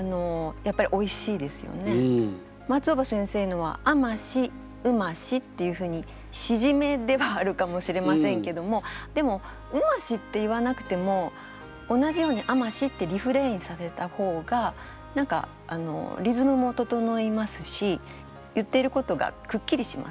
松尾葉先生のは「甘しうまし」っていうふうにしじめではあるかもしれませんけどもでも「うまし」って言わなくても同じように「甘し」ってリフレインさせた方が何かリズムも整いますし言っていることがくっきりしますよね。